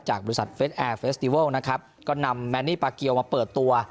บริษัทเฟสแอร์เฟสติเวิลนะครับก็นำแมนนี่ปาเกียวมาเปิดตัว